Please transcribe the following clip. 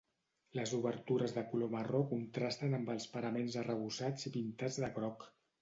Les obertures de color marró contrasten amb els paraments arrebossats i pintats de groc.